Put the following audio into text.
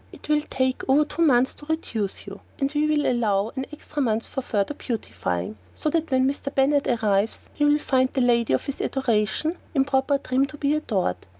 It will take over two months to reduce you, and we will allow an extra month for further beautifying, so that when Mr. Bennett arrives he will find the lady of his adoration in proper trim to be adored.